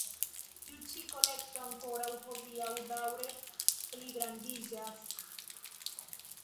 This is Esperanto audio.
Tiu ĉi kolekto ankoraŭ hodiaŭ daŭre pligrandiĝas.